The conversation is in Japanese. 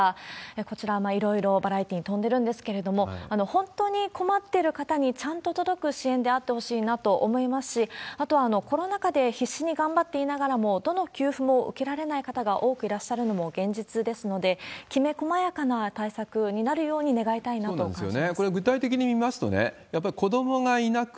こちら、いろいろバラエティに富んでるんですけれども、本当に困ってる方にちゃんと届く支援であってほしいなと思いますし、あとはコロナ禍で必死に頑張っていながらも、どの給付も受けられない方が多くいらっしゃるのも現実ですので、きめ細やかな対策になるように願いたいなと感じます。